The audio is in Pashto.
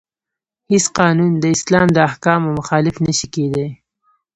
هیڅ قانون د اسلام د احکامو مخالف نشي کیدای.